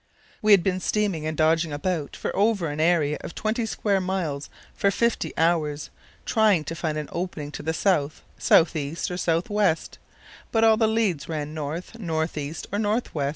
We had been steaming and dodging about over an area of twenty square miles for fifty hours, trying to find an opening to the south, south east, or south west, but all the leads ran north, north east, or north west.